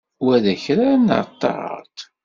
Wa d akrar neɣ d taɣaḍt?